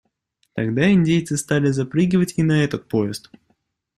Тогда индейцы стали запрыгивать и на этот поезд.